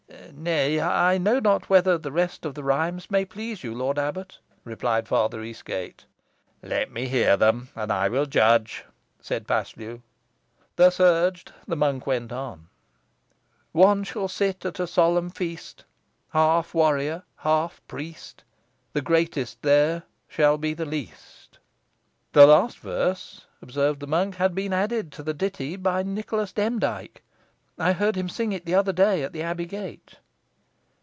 "Nay, I know not whether the rest of the rhymes may please you, lord abbot," replied Father Eastgate. "Let me hear them, and I will judge," said Paslew. Thus urged, the monk went on: "'One shall sit at a solemn feast, Half warrior, half priest, The greatest there shall be the least.'" "The last verse," observed the monk, "has been added to the ditty by Nicholas Demdike. I heard him sing it the other day at the abbey gate."